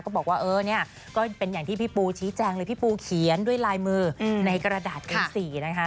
บอกว่าเออเนี่ยก็เป็นอย่างที่พี่ปูชี้แจงเลยพี่ปูเขียนด้วยลายมือในกระดาษเป็นสีนะคะ